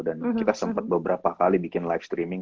dan kita sempet beberapa kali bikin live streaming